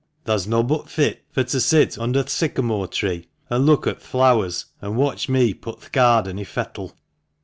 Thah's nobbut fit fur t' sit under th' sycymore tree, an' look at th' fleawers, an' watch me put th' garden i' fettle."